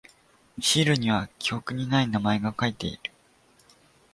シールには記憶にない名前が書いてある。